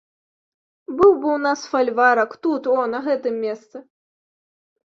Быў бы ў нас фальварак, тут, о, на гэтым месцы.